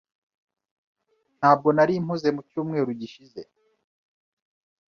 Ntabwo nari mpuze mu cyumweru gishize.